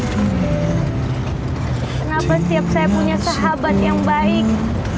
kenapa setiap saya punya sahabat yang baik